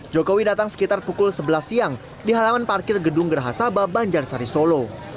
jokowi datang sekitar pukul sebelas siang di halaman parkir gedung gerahas sabah banjar sari solo